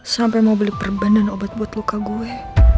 sampai mau beli perban dan obat buat luka gue